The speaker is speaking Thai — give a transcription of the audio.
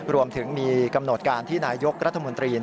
รวมถึงมีกำหนดการที่นายกรัฐมนตรี